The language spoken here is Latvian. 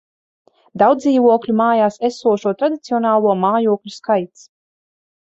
Daudzdzīvokļu mājās esošo tradicionālo mājokļu skaits